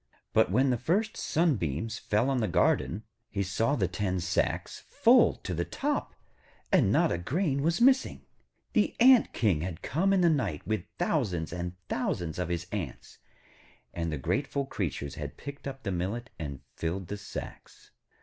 But when the first sunbeams fell on the garden, he saw the ten sacks full to the top, and not a grain was missing. The Ant King had come in the night with thousands and thousands of his Ants, and the grateful creatures had picked up the millet and filled the sacks.